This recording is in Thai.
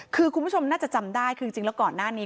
คือคุณผู้ชมน่าจะจำได้คือจริงแล้วก่อนหน้านี้